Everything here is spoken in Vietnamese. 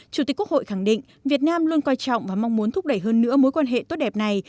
chủ tịch quốc hội khẳng định việt nam luôn coi trọng và mong muốn thúc đẩy hơn nữa mối quan hệ tốt đẹp này